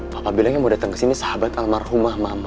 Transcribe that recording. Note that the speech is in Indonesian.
papa bilang yang mau datang kesini sahabat almarhumah mama